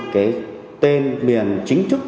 cái tên miệng chính thức